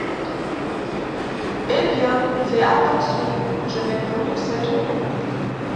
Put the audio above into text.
························« Eh bien, fais attention, je vais prononcer ton nom.